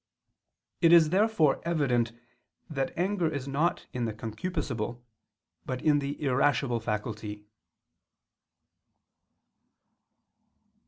It is therefore evident that anger is not in the concupiscible, but in the irascible faculty.